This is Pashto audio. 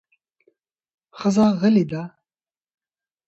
ښځه غلې ده